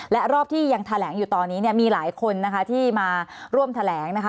และรอบที่ยังแถลงอยู่ตอนนี้เนี่ยมีหลายคนนะคะที่มาร่วมแถลงนะคะ